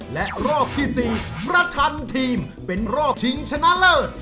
และรอบที่๔ประชันทีมเป็นรอบชิงชนะเลิศ